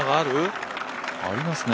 ありますね。